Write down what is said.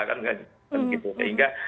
kan gitu sehingga